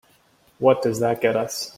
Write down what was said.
What does that get us?